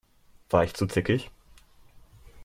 War ich zu zickig?